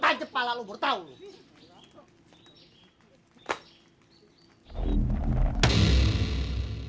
kacep pala lu burtau